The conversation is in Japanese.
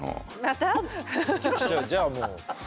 じゃあもう。